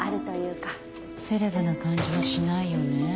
セレブな感じはしないよね。